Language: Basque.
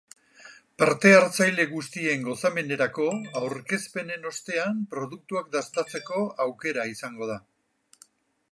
Parte hartzaile guztien gozamenerako aurkezpenen ostean produktuak dastatzeko aukera izango da.